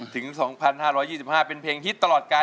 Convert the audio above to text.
ถึง๒๕๒๕เป็นเพลงฮิตตลอดการ